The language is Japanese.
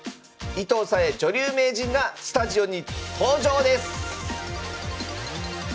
伊藤沙恵女流名人がスタジオに登場です！